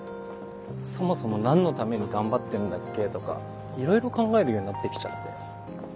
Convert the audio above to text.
「そもそも何のために頑張ってんだっけ？」とかいろいろ考えるようになってきちゃって。